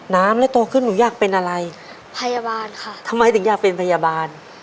น้ำแล้วโตขึ้นหนูอยากเป็นอะไรพยาบาลค่ะทำไมถึงอยากเป็นพยาบาล